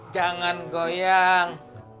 tenang jangan goyang